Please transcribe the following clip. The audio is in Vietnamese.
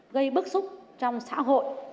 gây bức xúc trong xã hội